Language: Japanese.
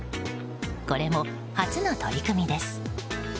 これも初の取り組みです。